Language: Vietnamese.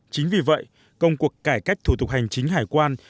chính vì vậy công cuộc cải cách thủ tục hành chính hải quan